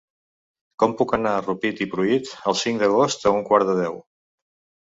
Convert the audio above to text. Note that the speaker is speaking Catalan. Com puc anar a Rupit i Pruit el cinc d'agost a un quart de deu?